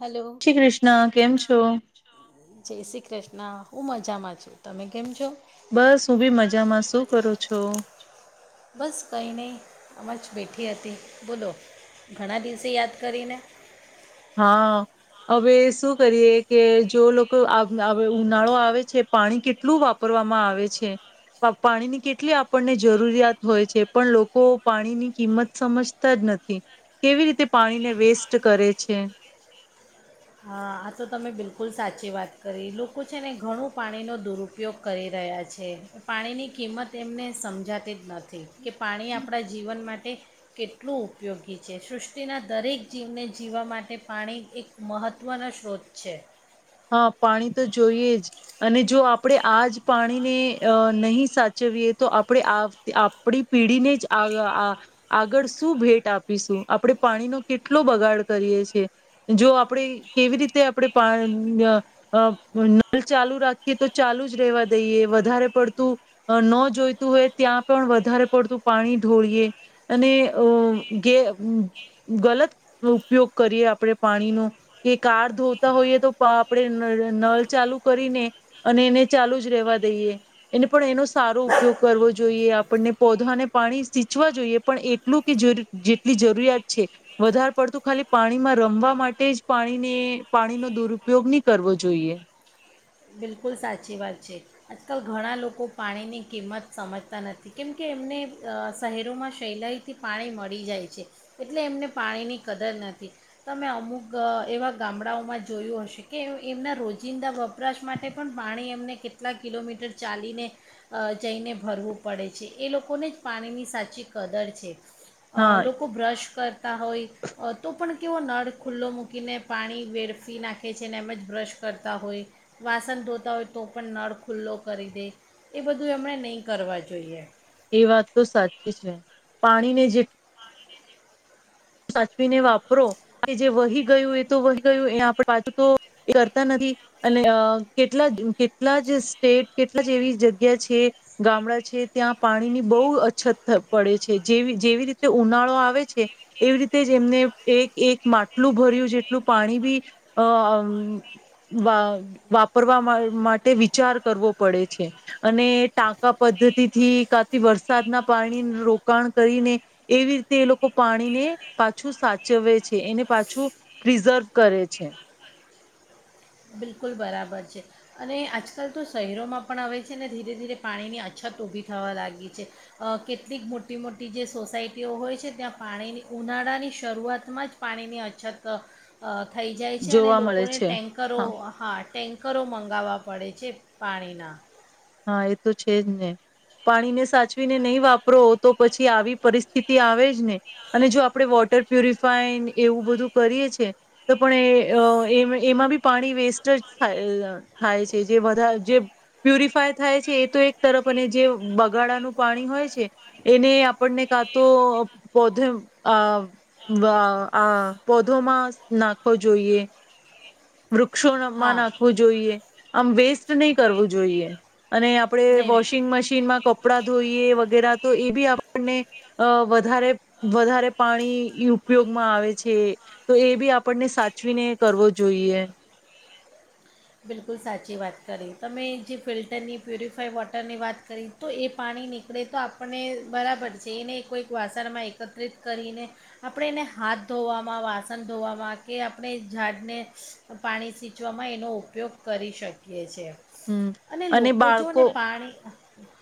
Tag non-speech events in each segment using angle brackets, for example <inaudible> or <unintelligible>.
Hello Shri Krishna કેમ છો? જય શ્રી કૃષ્ણ. ના હું મજામાં છું તમે કેમ છો? બસ હું બી મજામાં, શું કરું છો? બસ કંઈ નહીં આમ જ બેઠી હતી બોલો, ઘણા દિવસે યાદ કરીને? હા હવે શુ કરીએ કે જો લોકો ઉનાળો આવે છે પાણી કેટલું વાપરવામાં આવે છે? પાણીની કેટલી આપણને જરૂરિયાત હોય છે, પણ લોકો પાણીની કિંમત સમજતા જ નથી કેવી રીતે પાણીને વેસ્ટ કરે છે. હા આ તો તમે બિલકુલ સાચી વાત કરી લોકો છે ને ઘણું પાણીનો દુરુપયોગ કરી રહ્યા છે. પાણીની કિંમત એમને સમજાતી જ નથી. કે પાણી આપણા જીવન માટ કેટલું ઉપયોગી છે. સૃષ્ટિના દરેક જીવને જીવવા માટે પાણી એક મહત્વનો છે. હા પાણી તો જોઈએ જ અને જો આપણે આજ પાણીને અ નહી સાચવીએ તો આપણે આપ આપણી પીઢીને જ આ આ આગળ શું ભેટ આપીશું આપણે પાણીનો કેટલો બગાડ કરીએ છીએ, જો આપણે કેવી રીતે આપણે પા અ નલ ચાલુ રાખીએ તો ચાલુ જ રહેેવા દઈએ વધારે પડતું ન જોઈતું હોય ત્યાં પણ વધારે પડતું પાણી ઢોળીએ અનેે અ ગે ગલત ઉપયોગ કરીએ આપણે પાણીનો કે કાર ધોતા હોઈએ તો આપણે ન નળ ચાલુ કરીને અને એને ચાલુ જ રહેેવા દઈએ એને પણ એનો સારો ઉપયોગ કરવો જોઈએ આપણને પૌધાને પાણી સિંચવા જોઈએ પણ એટલું કે જેટલી જરૂરિયાત છે વધારે પડતું ખાલી પાણીમાં રમવા માટે જ પાણીને પાણીનો દુર ઉપયોગ નહી કરવો જોઈએ. બિલકુલ સાચી વાત છે આજકાલ ઘણા લોકો પાણીની કિંમત સમજતા નથી. કેમકે એમને શહેરોમાં સેહલાઈથી પાણી મળી જાય છે, એટલે એમને પાણીની કદર નથી તમે અમુક એવા ગામડાઓમાં જોયું છે કે એમના રોજિંદા વપરાશ માટે પણ પાણી એમને કેટલા કિલોમીટર ચાલીને જઈને ભરવું પડે છે એ લોકોને જ પાણીની સાચી કદર છે. હા અ લોકો બ્રશ કર તારો ઇ તો પણ કેવો નળ ખુલ્લો મૂકીને પાણી વેડફી નાખે છે ને એમ જ બ્રશ કરતા હોય. વાસણ ધોતા હોય તો પણ નળ ખુલ્લો કરી દે એ બધું એમણે નહીં કરવા જોઈએ. એ વાત તો સાચી છે પાણીને જે સાચવીને વાપરો કે જે વહી ગયું એ તો વહી ગયું એ આપણે પાછું તો એ કરતા નથી અને કેટલા કેટલા જ સ્ટેટ કેટલા જે એવી જગ્યા છે ગામડા છે ત્યાં પાણીની બહુ અછત પડે છે જેવી જેવી રીતે ઉનાળો આવે છે એવી રીતે જ એમને એક એક માટલું ભર્યું જેટલું પાણી બી અ વા વાપરવા માટે વિચાર કરવો પડે છે અને ટાંકા પદ્ધતિથી કાથી વરસાદના પાણી રોકાણ કરીને એવી રીતે એ લોકો પાણીને પાછું સાચવે છે એને પાછું પ્રિઝર્વ કરે છે. બિલકુલ બરાબર છે અને આજકાલ તો શહેરોમાં પણ હવે છે ને ધીરે ધીરે પાણીની અછત ઊભી થવા લાગી છે કેટલીક મોટી મોટી જે સોસાયટીઓ હોય છે ત્યાં પાણીની ઉનાળાની શરૂઆતમાં જ પાણીની અછત થઈ જાય છે અને જોવા મળે લોકોને છે ટેન્કરો હા ટેન્કરો મંગાવવા પડે છે પાણીના. હા એ તો છે જ ને, પાણીને સાચવીને નહીં વાપરો તો પછી આવી પરિસ્થિતિ આવે જ ને, અને જો આપણે વોટર પ્યુરિફાઈન એવું બધું કરીએ છે, તો પણ એ એ એમાં બી પાણી વેસ્ટ જ થા અહ થાય છે જ વધાર જે પ્યુરિફ ફાઈ થાય છે એ તો એક તરફ અને જે બગાડાનું પાણી હોય છે, એને આપણને કા તો પોધ્રે અહ વા આ પોધોમાં નાખવો જોઈએ. વૃક્ષો ન મા હા નાખવો જોઈએ. આમ વેસ્ટ નહી કરવું જોઈએ. અને આપણે નહીં વોશિંગ મશીનમાં કપડા ધોઈએ વગેરા તો એ બી આપણને અહ વધારે-વધારે પાણી ઉપયોગમાં આવે છે, તો એ બી આપણને સાચવીને કરવો જોઈએ. બિલકુલ સાચી વાત કરી. તમે જે ફિલ્ટરની પ્યુરિફાઈ વોટરની વાત કરી તો એ પાણી નીકળે તો આપણને બરાબર છે, એ નહિં કોઈ વાસણમાં એકત્રિત કરીને આપણે એને હાથ ધોવામાં, વાસણ ધોવામાં કે આપણે એ ઝાડને પાણી સિંચવામાં એનો ઉપયોગ કરી શકીએ છીએ. હમ અને લોકો જો ને બાળકો પાણી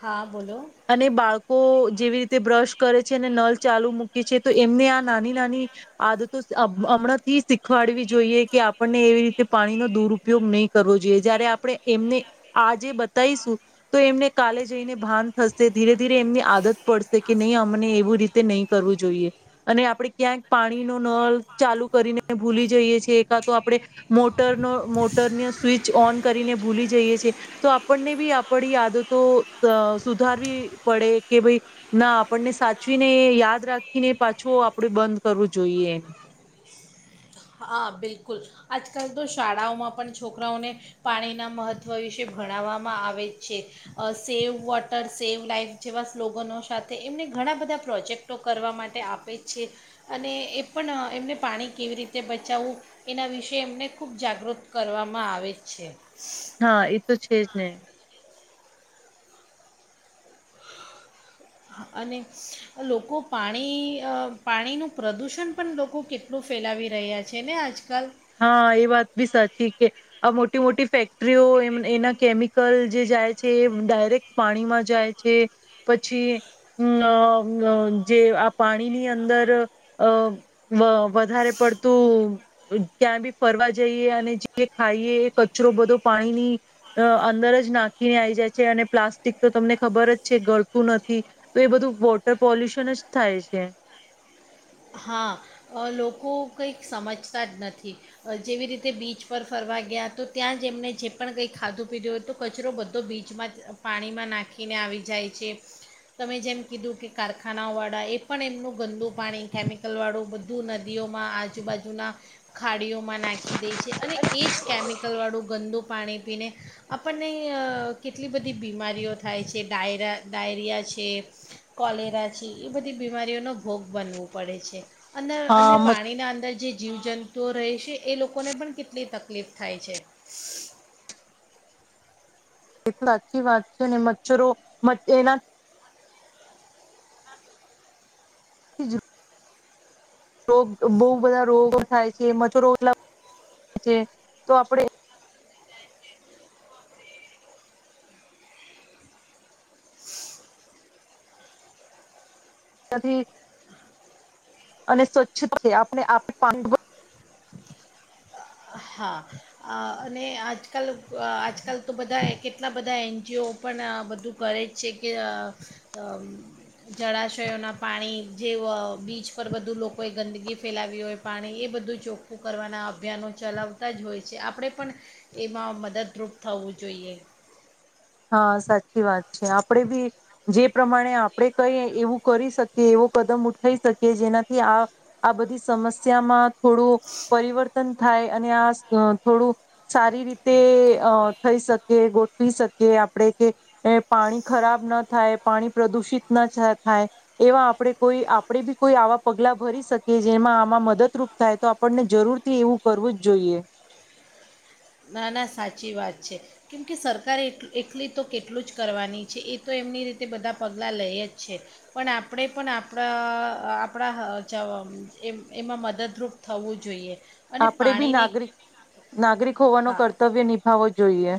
હા બોલો. અને બાળકો જેવી રીતે બ્રશ કરે છે, અને નલ ચાલુ મૂકી છે, તો એમને આ નાની-નાની આદતો અહ હમણાં થી શીખવાડવી જોઈએ કે આપણને એવી રીતે પાણીનો દુરુપયોગ નહી કરવો જોઈએ. જયારે આપણે એમને આ જે બતાઈશું તો એમને કાલે જઈને ભાન થશ શે, ધીરે-ધીરે એમની આદત પડશે કે નહીં અમને એવું રીતે નહી કરવું જોઈએ, અને આપડે ક્યાંક પાણી નો નળ ચાલુ કરીને ભૂલી જઈએ છીએ કા તો આપણે મોટરનો મોટરનીયો સ્વિચ ઓન કરીને ભૂલી જઈએ છે, તો આપણને બી આપડી આદતો અહ સુધ ધારવી પડે કે ભઈ ના આપણને સાચવીને યાદ રાખીને પાછો આપણે બંધ કરવું જોઈએ. હા બિલકુલ. આજકાલ તો શાળાઓમાં પણ છોકરાઓને પાણીના મહત્ત્વ વિશે ભણાવવામાં આવે છે. અહ સેવ વોટર સેવ લાઈફ જેવા સ્લોગોનો સાથે એમને ઘણા બધા પ્રોજેક્ટો કરવા માટે આપે છે, અને એ પણ એમને પાણી કેવી રીત બચાવવું એના વિશેે એમને ખૂબ જાગૃત કરવામાં આવે છે. હા એ તો છે જ ને. અને લોકો પાણી અહ પાણીનું પ્રદૂષણ પણ લોકો કેટલું ફેલાવી રહ્યા છે ને આજકાલ. હા એ વાત બી સાચી કે આ મોટી મોટી ફેક્ટરીઓ એમ એના કેમિકલ જે જાય છે, એ ડાયરેક્ટ પાણીમાં જાય છે, પછી અમ અહ અહ જે આ પાણીની અંદર અહ અહ વધારે પડતું ક્યાં બી ફરવા જઈએ અને જે ખાઈએ એ કચરો બધો પાણીની અહ અંદર જ નાખીને આવી જાય છે, અને પ્લાસ્ટિક તો તમને ખબર જ છે ગળતું નથી. તો એ બધું વોટર પોલ્યુશન જ થાય છે. હા, અહ લોકો કંઈક સમજતા જ નથી. જેવી રીતે બીચ પર ફરવા ગયા તો ત્યાં જ એમણે જે પણ કંઈ ખાધું પીધું હોય તો કચરો બધો બીચમાં જ પાણીમાં નાખીને આવી જાય છે, તમે જેમ કીધું કે કારખાનાઓવાળા એ પણ એમનું ગંદુ પાણી કેમિકલવાળું બધું નદીઓમાં, આજુબાજુના ખાડીઓમાં નાખી દે છે. અને એ જ કેમિકલવાળું ગંદુ પાણી ખીને આપણને અહ કેટલી બધી બીમારીઓ થાય છે, ડાયરા ડાયરિયા છે, કોલેરા છે, એ બધી બીમારીઓનો ભોગ બનવું પડે છે. અંદર અને હા પાણીના અંદર જે જીવજંતુઓ રહે છે, એ લોકોને પણ કેટલી તકલીફ થાય છે. એ સાચી વાત છે ને, મચ્છરો મ એના <unintelligible> રોગ બહું બધા રોગો થાય છે. મચ્છરો એટલા છે, તો આપણે નદી અને સ્વચ્છ પાણી <unintelligible> હા. અહ અને આજકલ અહ આજકલ તો બધા કેટલા બધા એ જેઓ પણ આ બધું કરે જ છે કે અહ અહ જળાશયોના પાણી જે વ બીચ પર બધું લોકોએ ગંદગી ફેલાવી હોય પાણી, એ બધું ચોખ્ખું કરવાના અભિયાનો ચલાવતા જ હોય છે. આપણે પણ એમાં મદદરૂપ થવું જોઈએ. હા સાચી વાત છે. આપણે બી જે પ્રમાણે આપણે કઈ એવું કરી શકીએ, એવો કદમ ઉઠાઈ શકીએ, જેનાથી આ આ બધી સમસ્યામાં થોડું પરિવર્તન થાય અને આ સ થોડું સારી રીતે અહ થઈ શકે, ગોઠવી શક કે આપણે કે પાણી ખરાબ ન થાય, પાણી પ્રદુષિત ના જ થાય, એવા આપણે કોઈ આપણે બી કોઈ આવા પગલા ભરી શકીએ, જેમાં આમાં મદદરૂપ થાય તો આપણને જરૂરથી એવું કરવું જ જોઈએ. ના, ના સાચી વાત છે. કેમકે સરકારે એટ એટલી તો કેટલું જ કરવાની છે. એ તો એમની રીતે બધા પગલાં લઈએ જ છે. પણ આપણે પણ આપણા અહ આપણા જવ એમાં મદદરૂપ થવું જોઈએ. અને આપણેે બી પાણીને નાગરિક-નાગરિક હોવાનો કર્તવ્ય નિભાવો જોઈએ.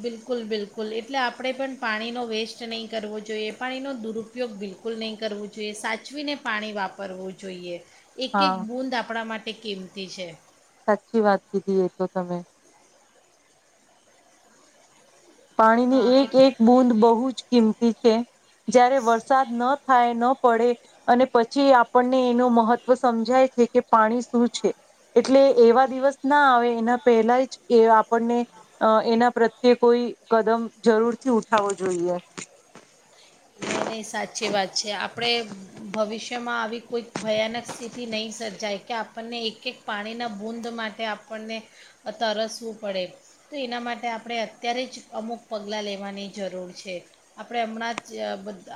બિલકુલ-બિલકુલ. એટલે આપણે પણ પાણીનો વેસ્ટ નહીં કરવો જોઈએ. પાણીનો દુરુપયોગ બિલકુલ નહીં કરવો જોઈએ. સાચવીને પાણી વાપરવો જોઈએ. એક હા એક બુંદ આપડા માટે તે કિંમતી છે. સાચી વાત કીધી એતો તમે પાણી ની હા એક એ એક બુંદ બહુ જ કિંમત તી છે, જયારે વરસાદ ન થાય ન પડે અને પછી આપણને એનું મહત્વ સમજાય છે કે પાણી શું છે, એટલે એવા દિવસ ના આવે એના પહેલાજ એ આપણને એના પ્રત્યે કોઈ કદમ જરૂરથી ઉઠાવો જોઈએ. નહીં નહીં સાચી વાત છે. આપડે ભવિષ્યમાં આવી કોઈક ભયાનક સ્થિતિ નઈ સર્જાય કે આપણને એક એક પાણીના બુંદ માટે આપણને તરસવું પડે, તો એના માટે આપણે અત્યારે જ અમુક પગલાં લેવાની જરૂર છે. આપડે હમણાં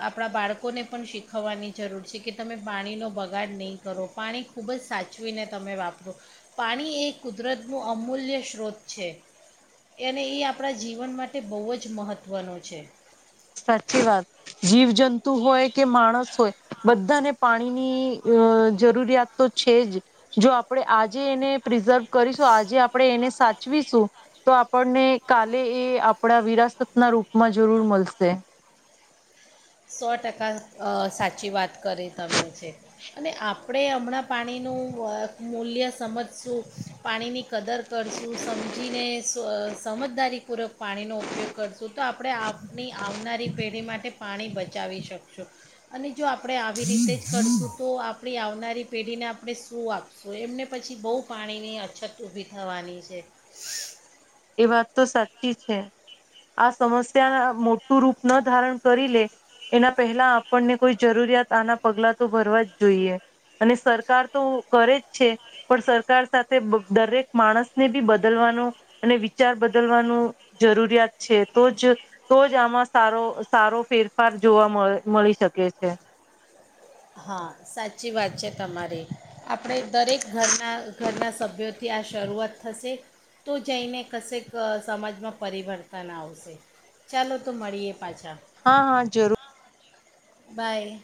આપડા બાળકોને પણ શીખવવાની જરૂર છે, કે તમે પાણીનો બગાડ નઈ કરો પાણી ખૂબજ સાચવીને તમે વાપરો પાણી એ કુદરતનું અમૂલ્ય સ્ત્રોત છે અને એ આપણા જીવન માટે બહુજ મહત્ત્વનો છે. સાચી વાત. જીવજંતુ હોય કે માણસ હોય બધાને પાણીની જરૂરિયાત તો છેજ. જો આપડે આજે એને પ્રિઝર્વ કરીશું, આજે આપડે એને સાચવીશું તો આપણને કાલે એ આપડા વિરાસતના રૂપમાં જરૂર મળશે. <inaudible> સો ટકા અહ સાચી વાત કરી તમે છે અને આપણે હમણાં પાણીનું મૂલ્ય સમજ શું પાણીની કદર કરશું, સમજીને સમજદારીપૂર્વક પાણીનો ઉપયોગ કરશું, તો આપડે આપની આવનારી પેઢી માટે માટે પાણી બચાવ બચાવી શકશું અને જો આપડે આવી રીતેજ કરશું તો આપડી આવનારી પેઢીને આપડે શું આપશું, એમને પછી બહુ પાણીની અછત ઊભી થવાની છે. એ વાત તો સાચી છે. આ સમસ્યા મોટું રૂપ ન ધારણ કરી લે એના પહેલા આપણને કોઈ જરૂરિયાત આના પગલા તો ભરવાજ જોઈએ અને સરકાર તો કરે જ છે, પણ સરકાર સાથે દરેક માણસને બી બદલવાનો અને વિચાર બદલવાનું જરૂરિયાત છે, તોજ તો જ આમાં સારો સારો ફેરફાર જોવા મળ મળી શકે છે. હા, સાચી વાત છે તમારી. આપડે દરેક ઘરના ઘરના સભ્યોથી આ શરૂઆત થશે. તો જઈને કશેક સમાજમાં પરિવર્તન આવશે. ચાલો તો મળીએ પાછા. હા, હા, જરૂર. બાય.